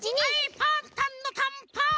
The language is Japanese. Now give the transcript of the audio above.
パンタンのたんパン！